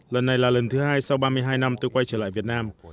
lần này là lần thứ hai sau ba mươi hai năm tôi quay trở lại việt nam